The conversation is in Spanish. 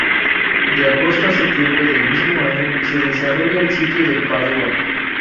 De agosto a septiembre del mismo año se desarrolla el sitio de Padua.